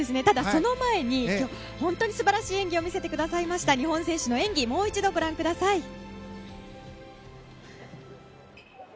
ただ、その前に本当に素晴らしい演技を見せてくださいました日本選手の演技をもう一度ご覧ください。